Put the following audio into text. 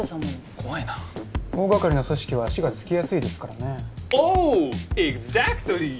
怖いな大がかりな組織は足がつきやすいですからねおおイグザクトリー